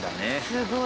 すごい。